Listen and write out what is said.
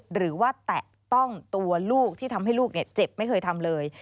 แตะต้องตัวลูกที่ทำให้ลูกเจ็บไม่เคยทำเลย